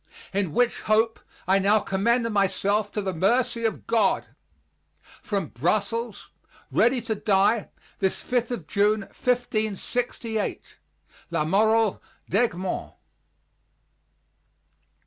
In which hope I now commend myself to the mercy of God. From Brussels, ready to die, this 5th of June, 1568. "LAMORAL D' EGMONT."